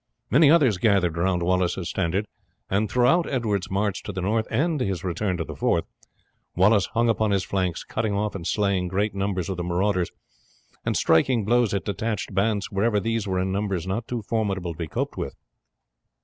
Many others gathered round Wallace's standard; and throughout Edward's march to the north and his return to the Forth Wallace hung upon his flanks, cutting off and slaying great numbers of the marauders, and striking blows at detached bands wherever these were in numbers not too formidable to be coped with.